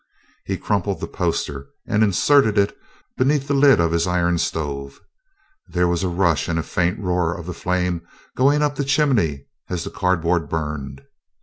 He crumpled the poster and inserted it beneath the lid of his iron stove. There was a rush and faint roar of the flame up the chimney as the cardboard burned.